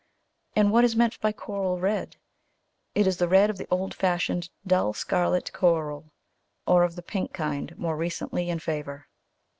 And what is meant by coral red? It is the red of the old fashioned dull scarlet coral, or of the pink kind more recently in favour.